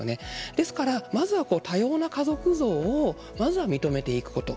ですから、まずは多様な家族像をまずは認めていくこと。